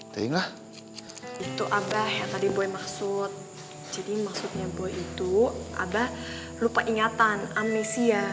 telinga itu abah yang tadi boy maksud jadi maksudnya boy itu abah lupa ingatan amnesia